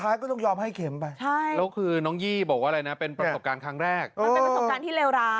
มันเป็นประสบการณ์ที่เลวร้ายประสบการณ์ที่ไม่ดี